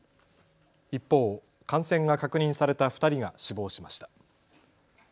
一方、感染が確認された２人が死亡しました。